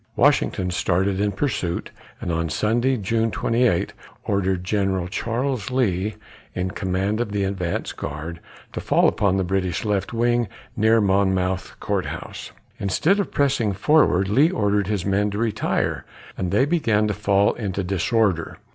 Washington started in pursuit, and on Sunday, June 28, ordered General Charles Lee, in command of the advance guard, to fall upon the British left wing near Monmouth Court House. Instead of pressing forward, Lee ordered his men to retire, and they began to fall into disorder.